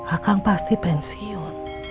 akang pasti pensiun